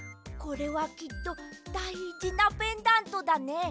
これはきっとだいじなペンダントだね。